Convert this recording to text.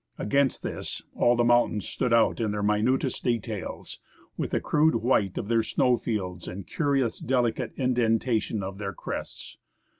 Against this, all the mountains stood out in their minutest details, with the crude white of their snowfields and the curious, delicate indentation of their crests.